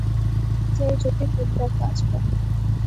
তিনি জতিরবিদ্যার কাজ করেন।